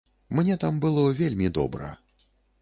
Мне там было вельмі добра.